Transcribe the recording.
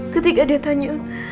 ketika dia tanya